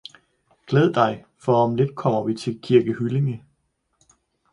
Glæd dig for om lidt kommer vi til Kirke Hyllinge